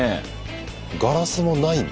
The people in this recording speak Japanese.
ガラスもないんだ。